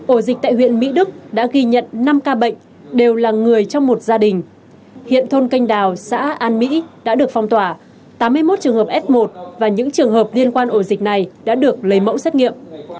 ổ dịch tại huyện mỹ đức đã ghi nhận năm ca bệnh đều là người trong một gia đình hiện thôn canh đào xã an mỹ đã được phong tỏa tám mươi một trường hợp f một và những trường hợp liên quan ổ dịch này đã được lấy mẫu xét nghiệm